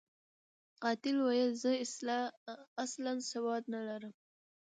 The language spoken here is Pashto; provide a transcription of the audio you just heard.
قاتل ویل، زه اصلاً سواد نلرم.